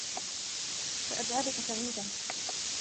سأجعلك سعيدًا.